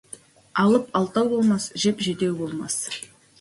Алып алтау болмас, жеп, жетеу болмас.